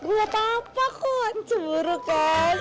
gila papa kok cemburu kan